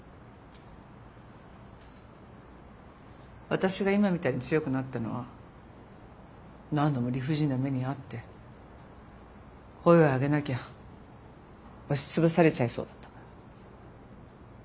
私が今みたいに強くなったのは何度も理不尽な目に遭って声を上げなきゃ押し潰されちゃいそうだったから。